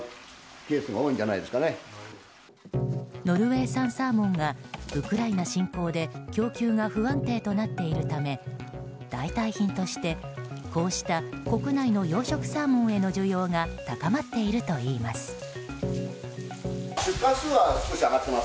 ノルウェー産サーモンがウクライナ侵攻で供給が不安定となっているため代替品として、こうした国内の養殖サーモンへの需要が高まっているといいます。